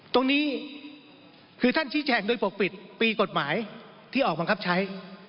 ตรงนี้คือท่านชี้แจงโดยปกปิดปีกฎหมายที่ออกบังคับใช้